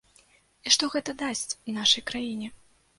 І што гэта дасць нашай краіне?